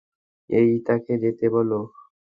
এই, তাকে যেতে বল।